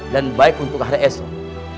dan baik untuk hari esok